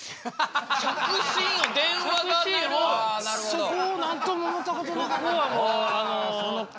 そこをなんとも思ったことなかった。